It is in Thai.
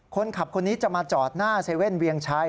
คนนี้จะมาจอดหน้าเซเว่นเวียงชัย